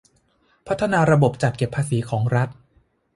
พัฒนาระบบจัดเก็บภาษีของรัฐ